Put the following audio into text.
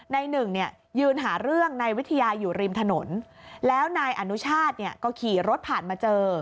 หนึ่งเนี่ยยืนหาเรื่องนายวิทยาอยู่ริมถนนแล้วนายอนุชาติเนี่ยก็ขี่รถผ่านมาเจอ